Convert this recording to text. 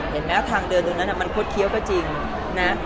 เห็นไหมทางเดินตรงนั้นมันคดเคี้ยวก็จริงนะ